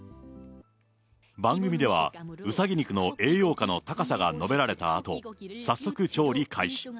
番組ではうさぎ肉の栄養価の高さが述べられたあと、早速調理開始。